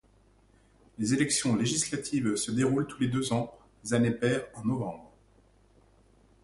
Les élections législatives se déroulent tous les deux ans, les années paires, en novembre.